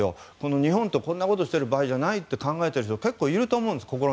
日本とこんなことをしてる場合ではないと考えている人結構いると思うんです。